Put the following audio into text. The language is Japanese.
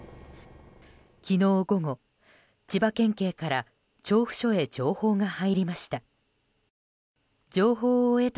昨日午後、千葉県警から調布署へ情報が入りました。